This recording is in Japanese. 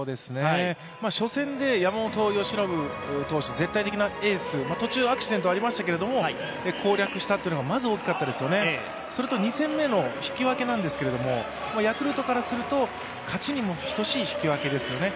初戦で山本由伸投手、絶対的なエース途中アクシデントはありましたけれども、攻略したというのがまず大きかったですね、それと２戦目の引き分けなんですけどヤクルトからすると、勝ちにも等しい引き分けですよね。